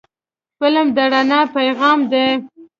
فلم د رڼا پیغام دی